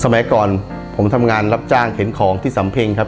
สมัยก่อนผมทำงานรับจ้างเข็นของที่สำเพ็งครับ